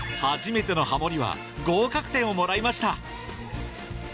初めてのハモリは合格点をもらいました